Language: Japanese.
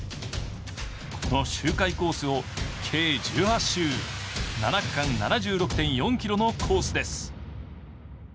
この周回コースを計１８周、７区間７６．４ｋｍのコースです。